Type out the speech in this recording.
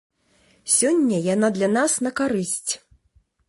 Сёння яна для нас на карысць.